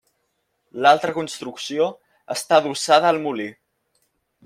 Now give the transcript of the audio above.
L'altra construcció està adossada al molí.